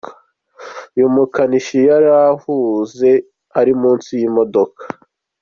Uyu mukanishi yari ahuze ari munsi y’imodoka.